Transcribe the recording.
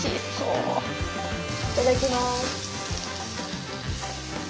いただきます。